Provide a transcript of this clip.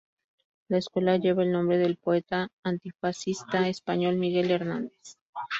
La escuela lleva el nombre del poeta antifascista español Miguel Hernández.